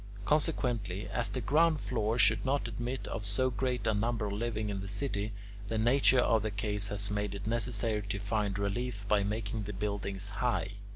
Consequently, as the ground floors could not admit of so great a number living in the city, the nature of the case has made it necessary to find relief by making the buildings high.